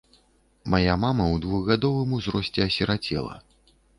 Мая мама ў двухгадовым узросце асірацела.